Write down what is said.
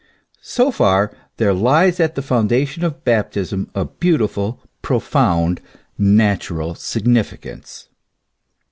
So far there lies at the foundation of Baptism a beautiful, profound natural significance.